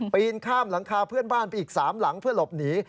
ปีนข้ามหลังคาเพื่อนบ้านไปอีก๓หลังเพื่อหลบหนี